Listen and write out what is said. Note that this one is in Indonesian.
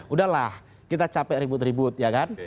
udahlah kita capek ribut ribut ya kan